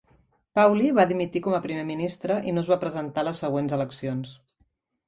Pawley va dimitir com a primer ministre i no es va presentar a les següents eleccions.